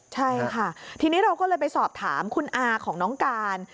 ใช่ค่ะทีนี้เราก็เลยไปสอบถามคุณอาของน้องการ